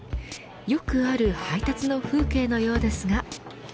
よくある配達の風景のようですが。